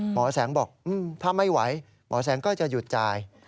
หมอแสงบอกถ้าไม่ไหวหมอแสงก็จะหยุดจ่าย